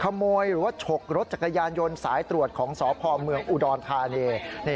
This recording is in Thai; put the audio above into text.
ขโมยหรือชกรถจักรยานยนต์สายตรวจของสพเมืองอุดอนภารี